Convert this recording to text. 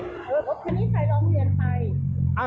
อันนี้ใครร้องเรียนไป